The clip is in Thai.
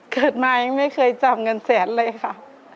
เกิดมายังไม่เคยจับเงินแสนเลยค่ะ